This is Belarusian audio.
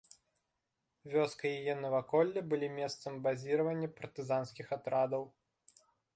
Вёска і яе наваколле былі месцам базіравання партызанскіх атрадаў.